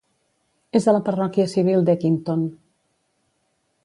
És a la parròquia civil d'Eckington.